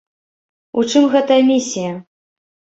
У чым гэтая місія?